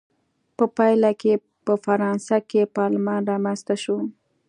په پایله کې یې په فرانسه کې پارلمان رامنځته شو.